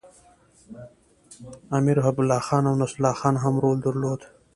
امیر حبیب الله خان او نصرالله خان هم رول درلود.